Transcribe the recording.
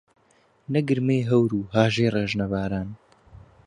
نە گرمەی هەور و هاژەی ڕێژنە باران